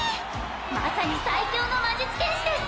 まさに最強の魔術剣士です